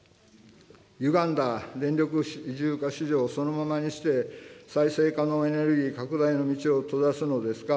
ゆがんだ電力自由化市場をそのままにして、再生可能エネルギー拡大の道を閉ざすのですか。